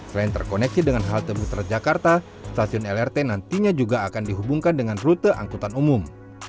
selain terkoneksi dengan halte bus transjakarta stasiun lrt nantinya juga akan dihubungkan dengan rute angkutan umum